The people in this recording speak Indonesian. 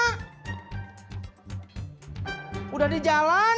sudah di jalan